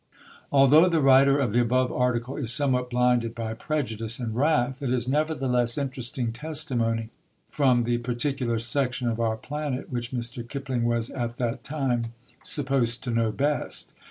Although the writer of the above article is somewhat blinded by prejudice and wrath, it is, nevertheless, interesting testimony from the particular section of our planet which Mr. Kipling was at that time supposed to know best.